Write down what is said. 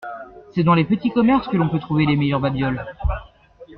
C’est dans les petits commerces que l’on peut trouver les meilleurs babioles.